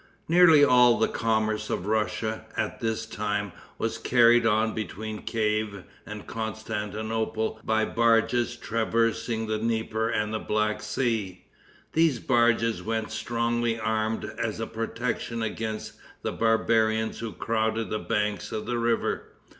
Nearly all the commerce of Russia, at this time, was carried on between Kief and Constantinople by barges traversing the Dnieper and the Black Sea. These barges went strongly armed as a protection against the barbarians who crowded the banks of the river.